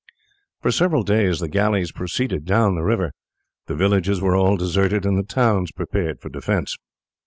For several days the galleys proceeded down the river. The villages were all deserted, and the towns prepared for defence.